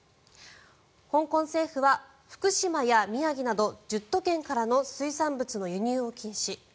香港政府は福島や宮城など１０都県からの水産物の輸入を禁止。